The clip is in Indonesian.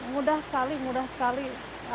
mudah sekali mudah sekali